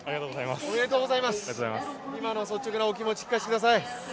今の率直なお気持ち、聞かせてください。